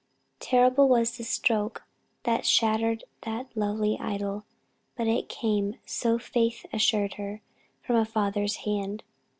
Terrible was the stroke that shattered that lovely idol; but it came so faith assured her from a father's hand.